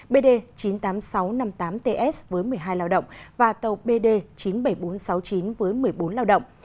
bd chín mươi tám nghìn sáu trăm năm mươi tám ts với một mươi hai lao động và tàu bd chín mươi bảy nghìn bốn trăm sáu mươi chín với một mươi bốn lao động